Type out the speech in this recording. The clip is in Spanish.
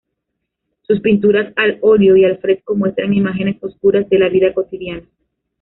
Sus pinturas al óleo y al fresco muestran imágenes oscuras de la vida cotidiana.